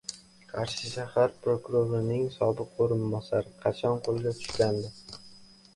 Qarshi shahar prokurorining sobiq o‘rinbosari qachon qo‘lga tushgandi?